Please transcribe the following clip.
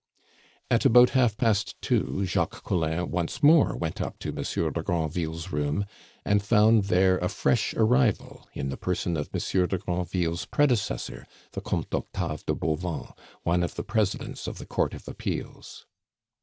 At about half past two Jacques Collin once more went up to Monsieur de Granville's room, and found there a fresh arrival in the person of Monsieur de Granville's predecessor, the Comte Octave de Bauvan, one of the Presidents of the Court of Appeals.